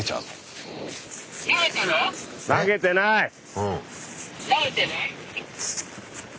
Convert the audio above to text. うん。